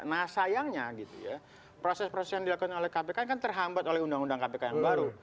nah sayangnya gitu ya proses proses yang dilakukan oleh kpk kan terhambat oleh undang undang kpk yang baru